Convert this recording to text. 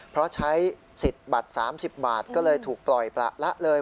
เพราะใช้สิทธิ์บัตร๓๐บาทก็เลยถูกปล่อยประละเลย